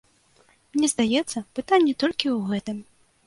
Мне здаецца, пытанне толькі ў гэтым.